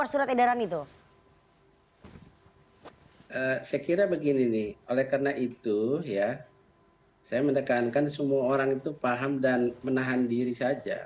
saya kira begini nih oleh karena itu ya saya mendekankan semua orang itu paham dan menahan diri saja